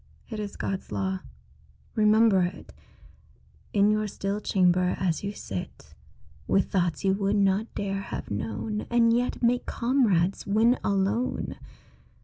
It is God's law. Remember it In your still chamber as you sit With thoughts you would not dare have known, And yet make comrades when alone.